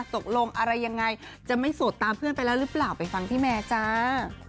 ตกลงอะไรยังไงจะไม่โสดตามเพื่อนไปแล้วหรือเปล่าไปฟังพี่แมร์จ้า